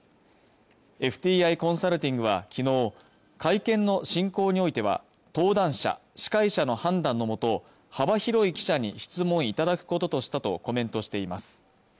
ＦＴＩコンサルティングは昨日会見の進行においては登壇者司会者の判断のもと幅広い記者に質問いただくこととしたとコメントしています